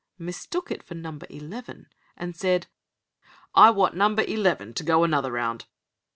mistook it for "Number Eleven", and said: "I want Number Eleven to go another round."